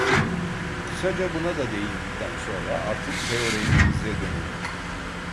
Kısaca buna da değindikten sonra artık teoremimize dönelim.